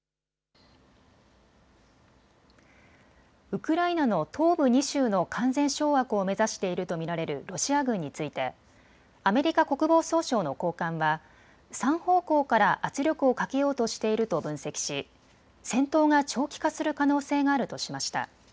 ウクライナの東部２州の完全掌握を目指していると見られるロシア軍についてアメリカ国防総省の高官は３方向から圧力をかけようとしていると分析し、戦闘が長期化する可能性があるとしました。